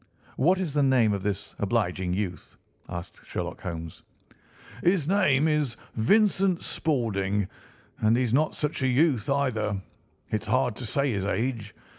"What is the name of this obliging youth?" asked Sherlock Holmes. "His name is Vincent Spaulding, and he's not such a youth, either. It's hard to say his age.